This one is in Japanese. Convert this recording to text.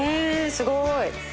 すごい